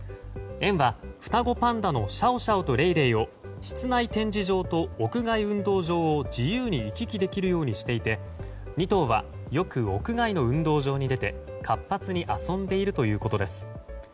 園は双子パンダのシャオシャオとレイレイを室内展示場と屋外運動場を自由に行き来できるようにしていて２頭は、よく屋外の運動場に出て活発に遊んでいるということです。